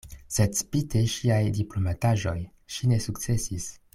Sed spite ŝiaj diplomataĵoj ŝi ne sukcesis.